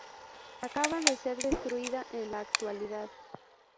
Acaba de ser destruida en la actualidad.